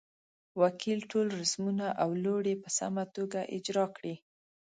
وکیل ټول رسمونه او لوړې په سمه توګه اجرا کړې.